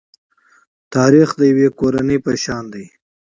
تاریخ د یوې کورنۍ په شان دی.